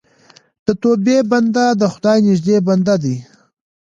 د توبې بنده د خدای نږدې بنده دی.